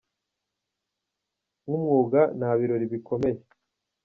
Nk’umwuga Nta birori bikomeye.